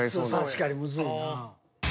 確かにむずいなぁ。